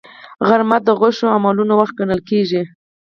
غرمه د ښو عملونو وخت ګڼل کېږي